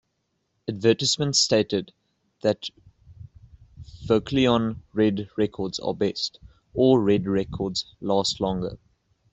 Advertisements stated that "Vocalion Red Records are best" or "Red Records last longer".